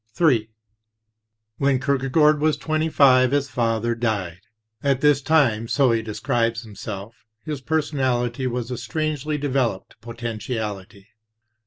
Ill When Kierkegaard was twenty five, his father died. At this time, so he describes himself, his personality was a strangely developed potentiality.